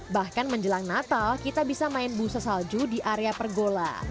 bahkan menjelang natal kita bisa main busa salju di area pergola